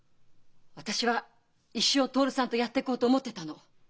私は一生徹さんとやっていこうと思ってたの。